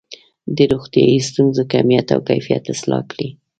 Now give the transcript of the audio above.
د روغتیايي ستونزو کمیت او کیفیت اصلاح کړي.